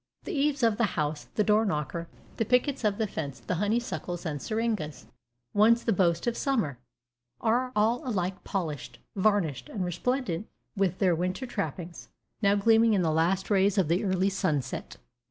The eaves of the house, the door knocker, the pickets of the fence, the honeysuckles and seringas, once the boast of summer, are all alike polished, varnished, and resplendent with their winter trappings, now gleaming in the last rays of the early sunset.